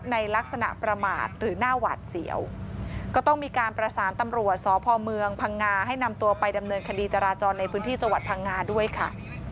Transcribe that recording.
ในพื้นที่จังหวัดพังงาด้วยค่ะ